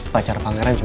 saya dipanggilkan di gd